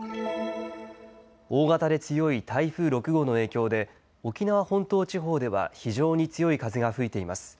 大型で強い台風６号の影響で沖縄本島地方では非常に強い風が吹いています。